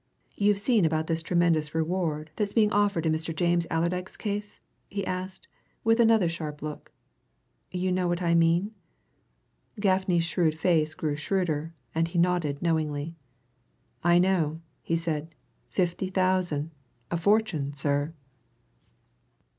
"You've seen about this tremendous reward that's being offered in Mr. James Allerdyke's case?" he asked, with another sharp look. "You know what I mean?" Gaffney's shrewd face grew shrewder, and he nodded knowingly. "I know!" he said. "Fifty thousand! A fortune, sir!"